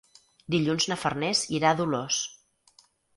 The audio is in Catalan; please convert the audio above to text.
Dilluns na Farners irà a Dolors.